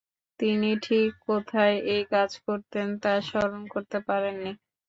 তিনি ঠিক কোথায় এই কাজ করতেন, তা স্মরণ করতে পারেননি।